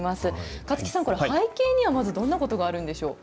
甲木さん、これ、背景には、まずどんなことがあるんでしょう。